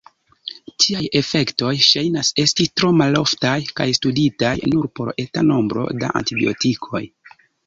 Tiaj efektoj ŝajnas esti tro maloftaj kaj studitaj nur por eta nombro da antibiotikoj.